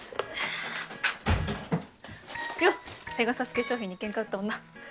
よっペガサス化粧品にケンカ売った女。